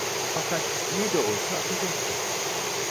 Fakat ne de olsa atacaktı.